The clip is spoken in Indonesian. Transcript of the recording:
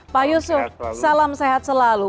pak yusuf salam sehat selalu